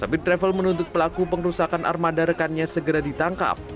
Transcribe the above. sambil travel menuntut pelaku pengrusakan armada rekannya segera ditangkap